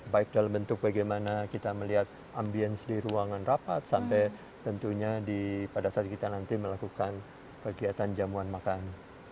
baik dalam bentuk bagaimana kita melihat ambience di ruangan rapat sampai tentunya pada saat kita nanti melakukan kegiatan jamuan makan